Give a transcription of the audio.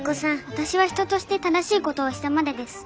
私は人として正しいことをしたまでです。